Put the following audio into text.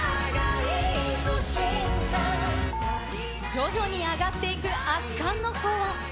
徐々に上がっていく圧巻の高音。